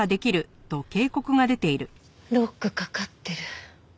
ロックかかってる。